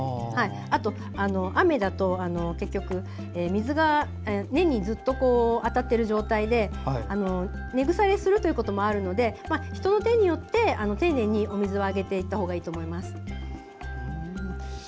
あと、雨だと水が根にずっと当たっている状態で根腐れすることもあるので人の手によって丁寧にお水をあげていったほうがいいと思います。